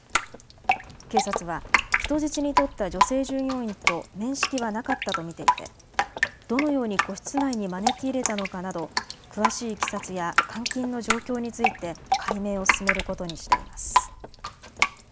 警察は人質に取った女性従業員と面識はなかったと見ていてどのように個室内に招き入れたのかなど詳しいいきさつや監禁の状況について解明を進めることにしています。